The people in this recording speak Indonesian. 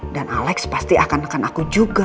dan alex pasti akan neken aku juga